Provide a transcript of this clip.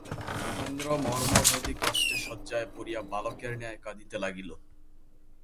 মহেন্দ্র মর্মভেদী কষ্টে শয্যায় পড়িয়া বালকের ন্যায় কাঁদিতে লাগিল।